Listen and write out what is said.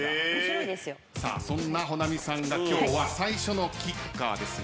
そんな保奈美さんが今日は最初のキッカーですが。